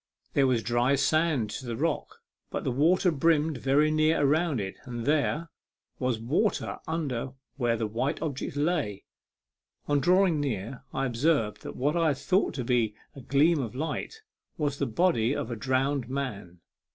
There was dry sand to the rock ; but the water brimmed very nearly around it, and there was water under where the white object lay. On drawing near, I observed that what I had thought to be a gleam of light was the body of a drowned man.